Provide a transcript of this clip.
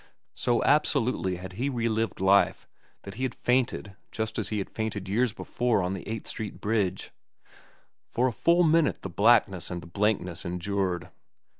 So absolutely had he relived life that he had fainted just as he fainted years before on the Eighth Street Bridge. For a full minute the blackness and the blankness endured.